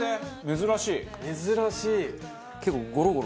珍しい。